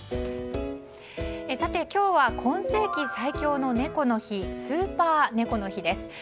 今日は今世紀最強の猫の日スーパー猫の日です。